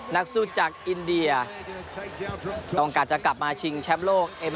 นักสู้จากอินเดียต้องการจะกลับมาชิงแชมป์โลกเอ็ม